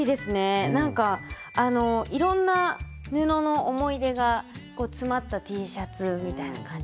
なんかいろんな布の思い出が詰まったＴシャツみたいな感じで。